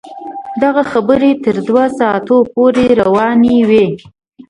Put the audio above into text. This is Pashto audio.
دغه خبرې تر دوه ساعتونو پورې روانې وې.